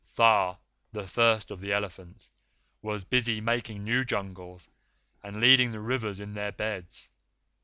Tha, the First of the Elephants, was busy making new jungles and leading the rivers in their beds.